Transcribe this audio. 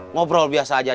ngobrol biasa aja jarang